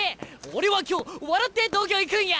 俺は今日笑って東京行くんや！